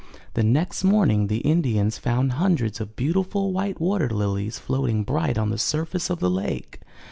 '' The next morning the Indians found hundreds of beautiful white water lilies floating bright on the surface of the lake.